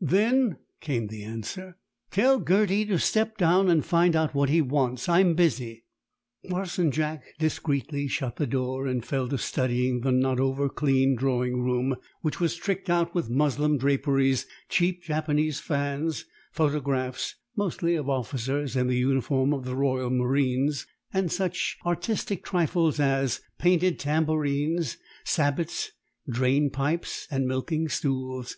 "Then," came the answer, "tell Gerty to step down and find out what he wants. I'm busy." Parson Jack discreetly shut the door, and fell to studying the not over clean drawing room, which was tricked out with muslin draperies, cheap Japanese fans, photographs mostly of officers in the uniform of the Royal Marines and such artistic trifles as painted tambourines, sabots, drain pipes, and milking stools.